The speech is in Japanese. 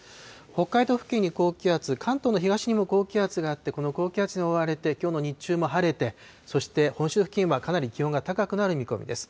北海道付近に高気圧、関東の東にも高気圧があって、この高気圧に覆われて、きょうの日中も晴れて、そして本州付近はかなり気温が高くなる見込みです。